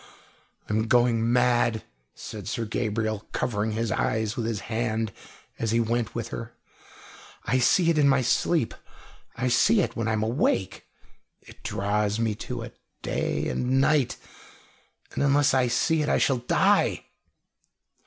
"I'm going mad," said Sir Gabriel, covering his eyes with his hand as he went with her. "I see it in my sleep, I see it when I am awake it draws me to it, day and night and unless I see it I shall die!"